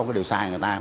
cũng đều sai người ta